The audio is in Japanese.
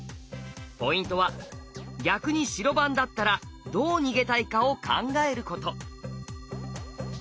ポイントは逆に白番だったらどう逃げたいかを考えること。